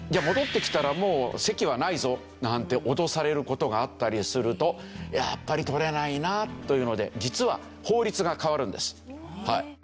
「戻ってきたらもう席はないぞ」なんて脅される事があったりするとやっぱり取れないなというので実は法律が変わるんです。